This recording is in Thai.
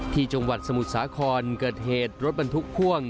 ที่จงวัดสมุทรสาครเกิดเหตุรถบรรทุกคว่ง